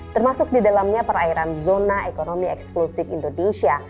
termasuk di dalamnya perairan zona ekonomi eksklusif indonesia